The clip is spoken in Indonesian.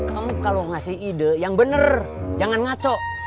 kamu kalau ngasih ide yang benar jangan ngaco